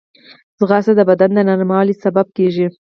ځغاسته د بدن د نرموالي سبب کېږي